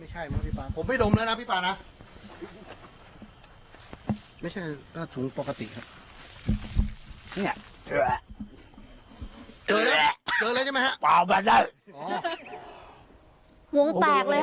หมอปลาเมืองแตกเลยค่ะ